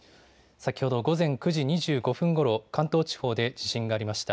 先ほど午前９時２５分ごろ、関東地方で地震がありました。